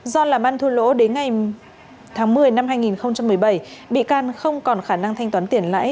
do làm ăn thua lỗ đến ngày tháng một mươi năm hai nghìn một mươi bảy bị can không còn khả năng thanh toán tiền lãi